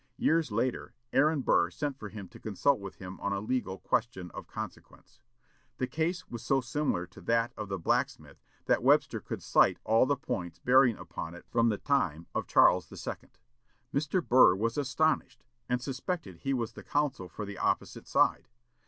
Years after, Aaron Burr sent for him to consult with him on a legal question of consequence. The case was so similar to that of the blacksmith that Webster could cite all the points bearing upon it from the time of Charles II. Mr. Burr was astonished, and suspected he was the counsel for the opposite side.